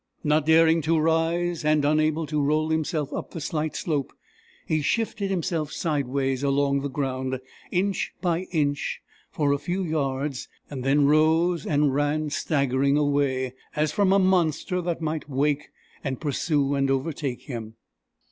Not daring to rise, and unable to roll himself up the slight slope, he shifted himself sideways along the ground, inch by inch, for a few yards, then rose, and ran staggering away, as from a monster that might wake and pursue and overtake him.